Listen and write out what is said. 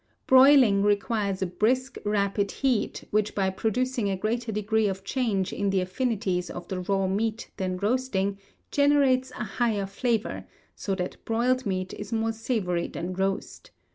Broiling requires a brisk, rapid heat, which by producing a greater degree of change in the affinities of the raw meat than roasting, generates a higher flavour, so that broiled meat is more savoury than roast.